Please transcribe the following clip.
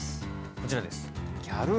こちらです。